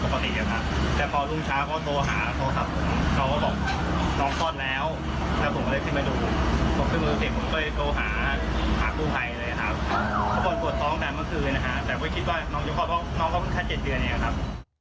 แต่ไม่คิดว่าน้องเจ้าของน้องเขาขึ้นทั้ง๗เดือนอย่างนี้ครับ